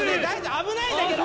危ないんだけど。